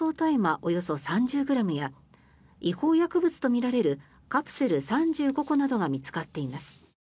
およそ３０ｇや違法薬物とみられるカプセル３５個などが見つかっています。